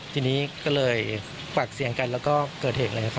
ทีนี้ก็เลยปากเสียงกันแล้วก็เกิดเหตุเลยครับ